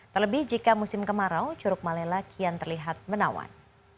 terlebih jika musim kemarau curug malela kian terlihat menawan